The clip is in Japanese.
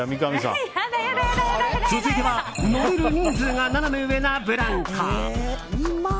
続いては、乗れる人数がナナメ上なブランコ。